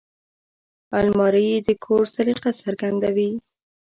الماري د کور سلیقه څرګندوي